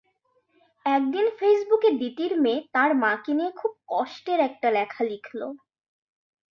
একদিন ফেসবুকে দিতির মেয়ে তাঁর মাকে নিয়ে খুব কষ্টের একটা লেখা লিখল।